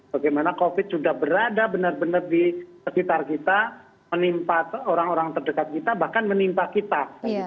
bagaimana covid sudah berada benar benar di sekitar kita menimpa orang orang terdekat kita bahkan menimpa kita